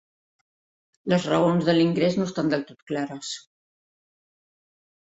Les raons de l'ingrés no estan del tot clares.